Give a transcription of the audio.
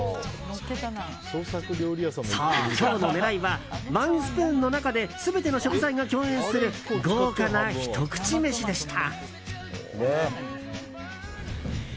そう、今日の狙いはワンスプーンの中で全ての食材が共演する豪華なひと口飯でした。